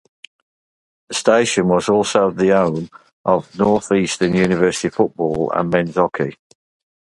The station was also the home of Northeastern University football and men's hockey.